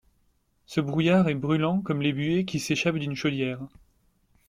Ce brouillard est brûlant comme les buées qui s’échappent d’une chaudière.